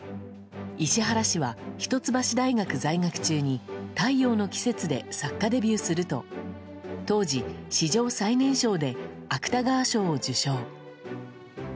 石原氏は、一橋大学在学中に「太陽の季節」で作家デビューすると当時、史上最年少で芥川賞を受賞。